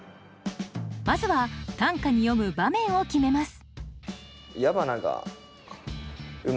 まずは短歌に詠む場面を決めます